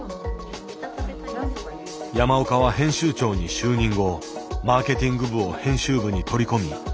山岡は編集長に就任後マーケティング部を編集部に取り込み